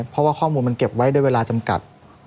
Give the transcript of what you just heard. เพราะว่าข้อมูลมันเก็บไว้ด้วยเวลาจำกัด